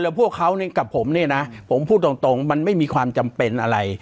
แล้วพวกเขากับผมเนี่ยนะผมพูดตรงมันไม่มีความจำเป็นอะไร